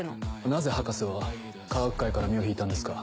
なぜ博士は科学界から身を引いたんですか？